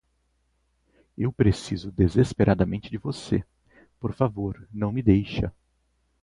Eu preciso desesperadamente de você, por favor não me deixa